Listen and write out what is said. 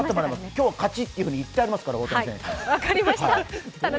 今日は勝ちっていうふうに言ってありますから。